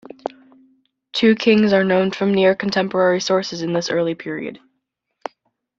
Two kings are known from near contemporary sources in this early period.